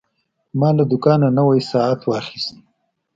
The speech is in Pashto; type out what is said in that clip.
ما له دوکانه نوی ساعت واخیست.